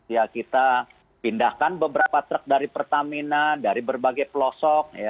ya kita pindahkan beberapa truk dari pertamina dari berbagai pelosok